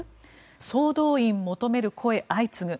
総動員求める声相次ぐ。